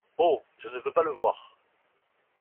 Oh ! je ne veux pas le voir !